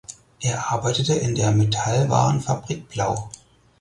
Er arbeitete in der Metallwarenfabrik Blau.